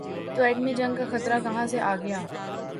تو ایٹمی جنگ کا خطرہ کہاں سے آ گیا؟